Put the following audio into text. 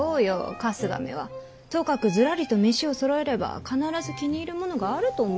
春日めはとかくずらりと飯をそろえれば必ず気に入るものがあると思うておるのよ。